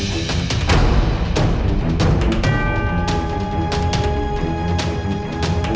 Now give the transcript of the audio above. dewa temen aku